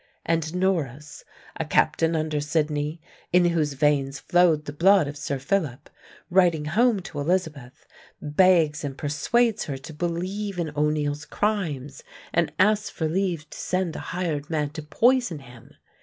And Norris, a captain under Sidney, in whose veins flowed the blood of Sir Philip, writing home to Elizabeth, begs and persuades her to believe in O'Neill's crimes, and asks for leave to send a hired man to poison him!